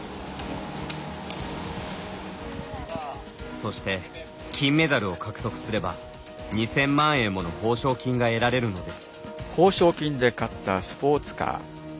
そして金メダルを獲得すれば２０００万円もの報奨金が得られるのです。